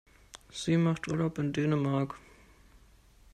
Sie macht Urlaub in Dänemark.